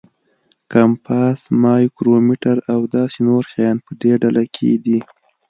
کمپاس، مایکرومیټر او داسې نور شیان په دې ډله کې دي.